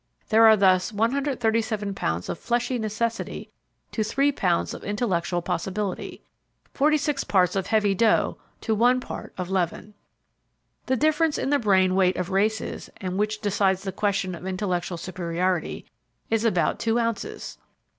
There are thus 137 pounds of fleshly necessity to three pounds of intellectual possibility forty six parts of heavy dough to one part of leaven. The difference in the brain weight of races, and which decides the question of intellectual superiority, is about two ounces.